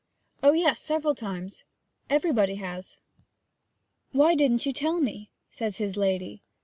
'Oh yes, several times; everybody has.' 'Why didn't you tell me?' says his lady.